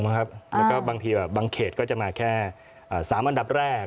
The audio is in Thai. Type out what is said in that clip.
แล้วก็บางทีบางเขตก็จะมาแค่๓อันดับแรก